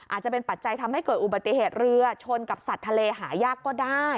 อาจจะเป็นปัจจัยทำให้เกิดอุบัติเหตุเรือชนกับสัตว์ทะเลหายากก็ได้